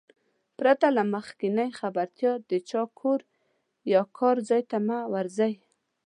پرته له مخکينۍ خبرتيا د چا کور يا کار ځاى ته مه ورځٸ.